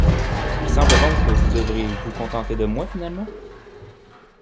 Il semble donc que vous devrez vous contenter de moi finalement?